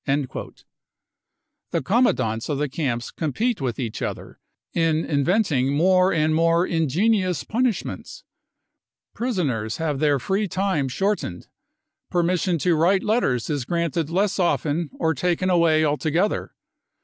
55 The commandants of the camps compete with each other in inventing more and more ingenious punishments/ THE CONCENTRATION CAMPS 301 Prisoners have their free time shortened. Permission to write letters is granted less often or taken away altogether.